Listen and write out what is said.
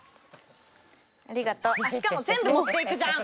ありがとう。